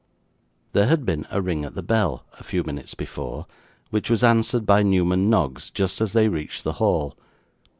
There had been a ring at the bell a few minutes before, which was answered by Newman Noggs just as they reached the hall.